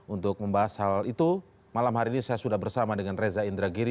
untuk membahas hal itu malam hari ini saya sudah bersama dengan reza indragiri